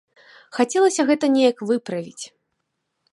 Хацелася гэта неяк выправіць.